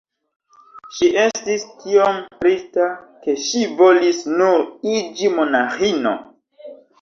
Ŝi estis tiom trista ke ŝi volis nur iĝi monaĥino.